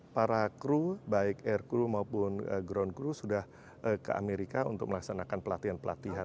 para kru baik aircrew maupun ground crew sudah ke amerika untuk melaksanakan pelatihan pelatihan